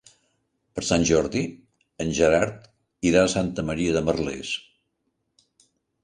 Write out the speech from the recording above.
Per Sant Jordi en Gerard irà a Santa Maria de Merlès.